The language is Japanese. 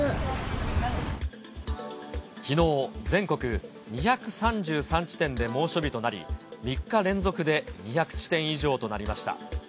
きのう、全国２３３地点で猛暑日となり、３日連続で２００地点以上となりました。